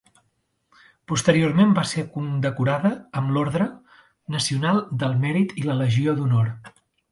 Posteriorment va ser condecorada amb l'Orde Nacional del Mèrit i la Legió d'Honor.